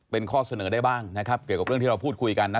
เป็นข้อเสนอได้บ้างนะครับเกี่ยวกับเรื่องที่เราพูดคุยกันนะ